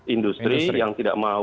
industri yang tidak mau